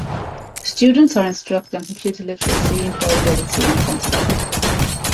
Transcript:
Students are instructed on computer literacy, employability, and center life.